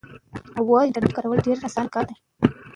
د انټرنیټ له لارې د معلوماتو تقسیم د پوهې خنډونه لرې کوي.